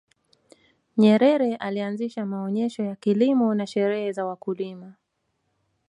nyerere alianzisha maonesho ya kilimo na sherehe za wakulima